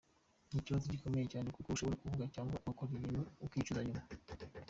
Ni ikibazo gikomeye cyane kuko ushobora kuvuga cyangwa ugakora ibintu uzicuza nyuma.